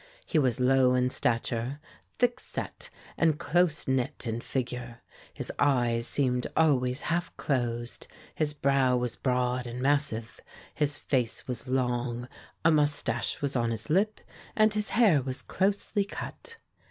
He was low in stature, thick set and close knit in figure; his eyes seemed always half closed; his brow was broad and massive; his face was long; a moustache was on his lip, and his hair was closely cut.